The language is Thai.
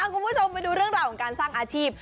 คุณผู้ชมไปดูเรื่องราวของการสร้างอาชีพ